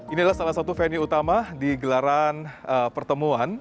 ini adalah salah satu venue utama di gelaran pertemuan